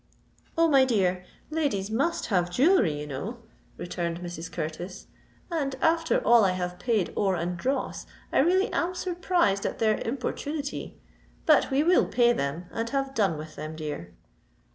"Oh! my dear—ladies must have jewellery, you know," returned Mrs. Curtis; "and, after all I have paid Ore and Dross, I really am surprised at their importunity. But we will pay them, and have done with them, dear."